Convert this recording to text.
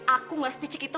aku gak sepicik itu